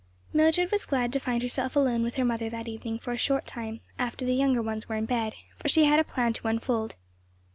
Mildred was glad to find herself alone with her mother that evening for a short time, after the younger ones were in bed; for she had a plan to unfold.